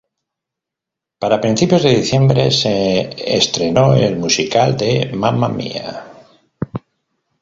Para principios de diciembre, se estrenó el musical de Mamma Mia!